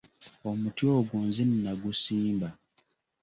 Omuti ogwo nze nnagusimba.